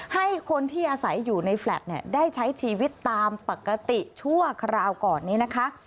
ให้คนที่อาศัยอยู่ในแฟลตได้ใช้ชีวิตตามปกติชั่วคราวก่อนนี้นะคะ